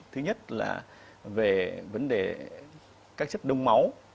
thứ nhất là về vấn đề các chất đông máu